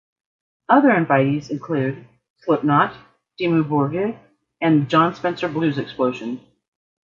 Other invitees included Slipknot, Dimmu Borgir, and the Jon Spencer Blues Explosion.